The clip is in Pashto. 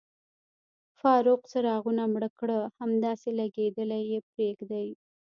فاروق، څراغونه مړه کړه، همداسې لګېدلي یې پرېږدئ.